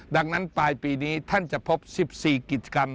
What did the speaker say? ดังนั้นปลายปีนี้ท่านจะพบ๑๔กิจกรรม